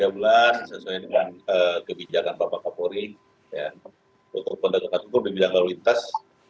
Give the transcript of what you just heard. tiga bulan sesuai dengan kebijakan bapak kapolri untuk pendekatan hukum di bidang lalu lintas